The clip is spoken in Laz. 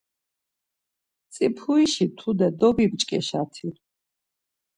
Tsipurişi tude dobimç̌ǩeşati?